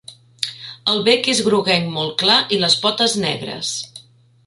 El bec és groguenc molt clar i les potes negres.